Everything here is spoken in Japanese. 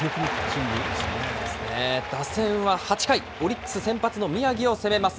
打線は８回、オリックス先発の宮城を攻めます。